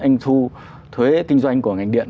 anh thu thuế kinh doanh của ngành điện